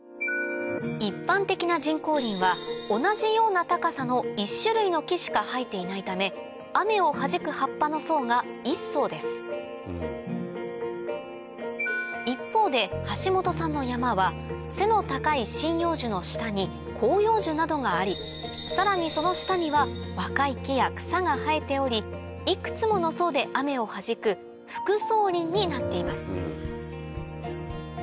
一般的な人工林は同じような高さの１種類の木しか生えていないため雨をはじく葉っぱの層が１層です一方で橋本さんの山は背の高い針葉樹の下に広葉樹などがありさらにその下には若い木や草が生えておりいくつもの層で雨をはじく複層林になっています